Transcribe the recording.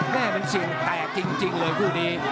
แม่เป็นสิ่งแตกจริงเลยคู่นี้